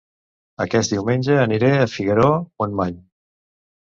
Aquest diumenge aniré a Figaró-Montmany